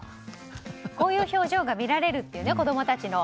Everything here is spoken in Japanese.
こういう表情が見られるという子供たちの。